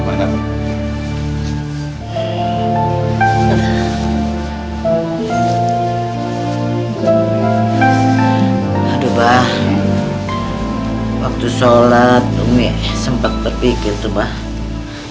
waduh baha' waktu sholat cumi sempet berpikir baha'